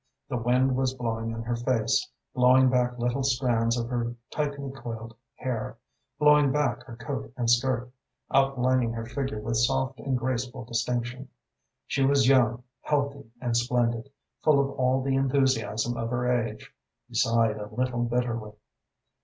The wind was blowing in her face, blowing back little strands of her tightly coiled hair, blowing back her coat and skirt, outlining her figure with soft and graceful distinction. She was young, healthy and splendid, full of all the enthusiasm of her age. He sighed a little bitterly.